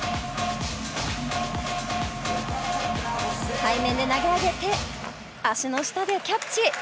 背面で投げ上げて、足の下でキャッチ。